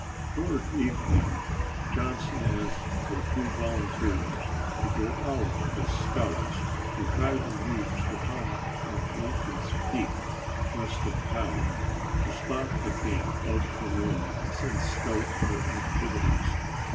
Toward evening, Johnson asked for two volunteers to go out as scouts to try to reach the top of Lincoln's Peak, west of town, to spot the camp of the nomads and scout their activities.